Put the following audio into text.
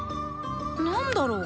何だろう？